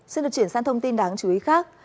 xin được chuyển sang thông tin đáng chú ý khác